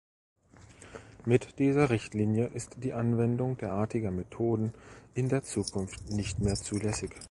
Mit dieser Richtlinie ist die Anwendung derartiger Methoden in der Zukunft nicht mehr zulässig.